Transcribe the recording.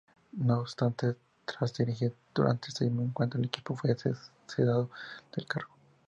No obstante, tras dirigir durante seis encuentros al equipo fue cesado del cargo.